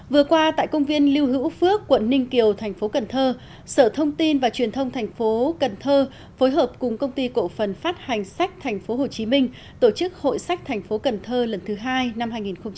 vừa qua tại công viên lưu hữu phước quận ninh kiều thành phố cần thơ sở thông tin và truyền thông thành phố cần thơ phối hợp cùng công ty cộ phần phát hành sách thành phố hồ chí minh tổ chức hội sách thành phố cần thơ lần thứ hai năm hai nghìn một mươi bảy